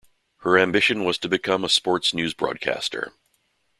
Her ambition was to become a sports newsbroadcaster.